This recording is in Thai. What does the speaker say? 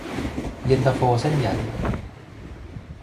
เย็นตาโฟเส้นใหญ่